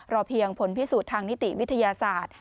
เพียงผลพิสูจน์ทางนิติวิทยาศาสตร์